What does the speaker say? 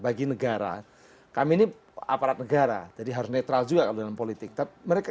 bagi negara kami ini aparat negara jadi harus netral juga kalau dalam politik tapi mereka